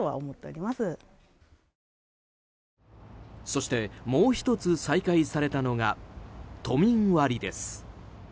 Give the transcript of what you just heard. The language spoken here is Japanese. そして、もう１つ再開されたのが都民割です。